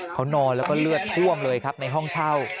เขานอนแล้วก็เลือดท่วมเลยครับในห้องเช่า